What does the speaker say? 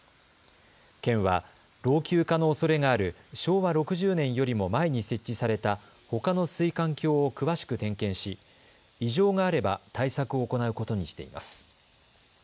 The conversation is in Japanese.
県は老朽化のおそれがある昭和６０年よりも前に設置されたほかの水管橋を詳しく点検し異常があれば対策を行うことにしています。